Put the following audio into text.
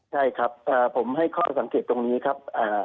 ใช่ครับผมให้ข้อสังเกตตรงนี้ครับ